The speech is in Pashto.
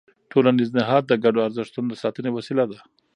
ټولنیز نهاد د ګډو ارزښتونو د ساتنې وسیله ده.